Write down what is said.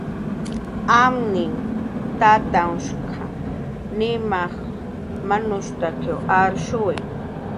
Amninh tatanhshq Nimaj manushuntak arshiwi